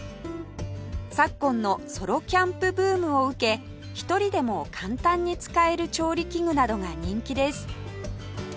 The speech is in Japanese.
昨今のソロキャンプブームを受け１人でも簡単に使える調理器具などが人気です